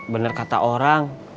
bener kata orang